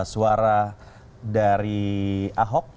suara dari ahok